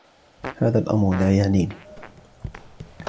هذا الأمر لا يعنيني.